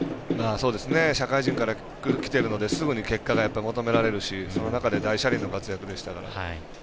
社会人からきてるのですぐに結果が求められるしその中で大車輪の活躍でしたから。